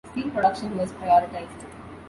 Steel production was prioritized.